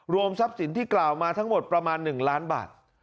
ทรัพย์สินที่กล่าวมาทั้งหมดประมาณ๑ล้านบาท